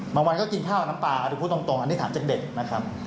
เมื่อวานก็กินข้าวน้ำปลาอาทิตย์พูดตรงอันนี้ถามจากเด็กนะครับ